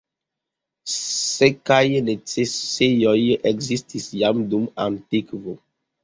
Sekaj necesejoj ekzistis jam dum antikvo.